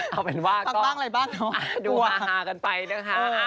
เอาเป็นว่าก็กลับมาอะไรบ้างนะตัวค่ะดูฮากันไปนะครับ